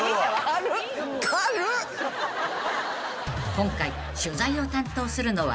［今回取材を担当するのは］